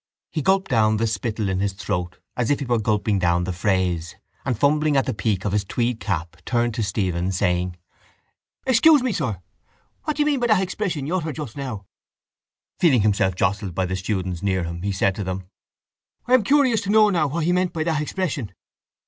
He gulped down the spittle in his throat as if he were gulping down the phrase and, fumbling at the peak of his tweed cap, turned to Stephen, saying: —Excuse me, sir, what do you mean by that expression you uttered just now? Feeling himself jostled by the students near him, he said to them: —I am curious to know now what he meant by that expression.